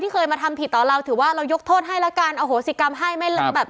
เคยมาทำผิดต่อเราถือว่าเรายกโทษให้แล้วกันอโหสิกรรมให้ไม่แบบ